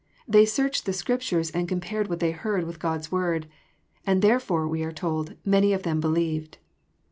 They " searched the Scriptures," and compared what they heard with God's Word. " And therefore," we are told, *' many of them believed."